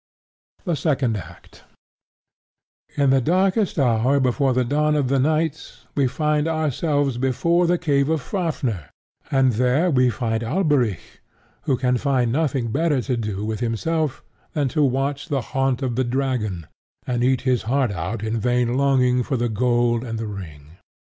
The Second Act In the darkest hour before the dawn of that night, we find ourselves before the cave of Fafnir, and there we find Alberic, who can find nothing better to do with himself than to watch the haunt of the dragon, and eat his heart out in vain longing for the gold and the ring.